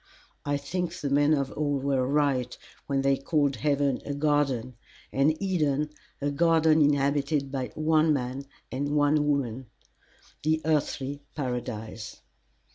I think the men of old were right when they called heaven a garden, and Eden a garden inhabited by one man and one woman, the Earthly Paradise.